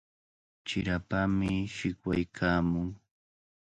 Chirapami shikwaykaamun.